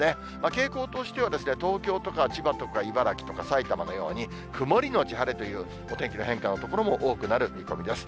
傾向としては、東京とか千葉とか、茨城とか埼玉のように、曇り後晴れというお天気の変化の所も多くなる見込みです。